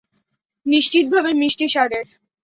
নিশ্চিতভাবে মিষ্টি স্বাদের।